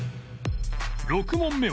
６問目は